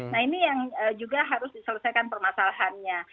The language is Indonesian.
nah ini yang juga harus diselesaikan permasalahannya